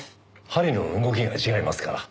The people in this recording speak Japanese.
針の動きが違いますから。